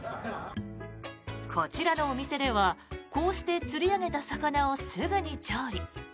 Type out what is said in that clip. こちらのお店ではこうして釣り上げた魚をすぐに調理。